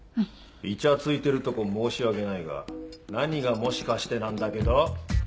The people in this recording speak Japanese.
いちゃついてるとこ申し訳ないが何が「もしかしてなんだけど」？